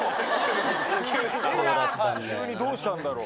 急にどうしたんだろう？